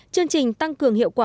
chương trình tăng cường hiệu quả